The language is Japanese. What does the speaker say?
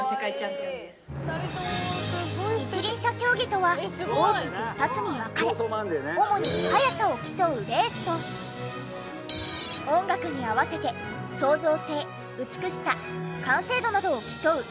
一輪車競技とは大きく２つに分かれ主に速さを競うレースと音楽に合わせて創造性美しさ完成度などを競う演技が。